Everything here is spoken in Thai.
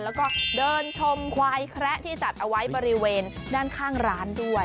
แล้วก็เดินชมควายแคระที่จัดเอาไว้บริเวณด้านข้างร้านด้วย